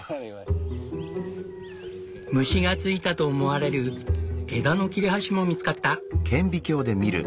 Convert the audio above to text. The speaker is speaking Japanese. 虫がついたと思われる枝の切れ端も見つかった。